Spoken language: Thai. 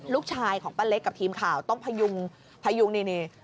ลูกชายของป้าเล็กกับทีมข่าวต้องพยุงพยุงนี่